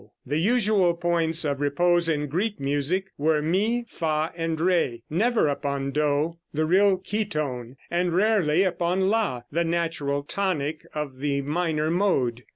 The usual points of repose in Greek music were mi, fa and re; never upon do, the real key tone, and rarely upon la, the natural tonic of the minor mode.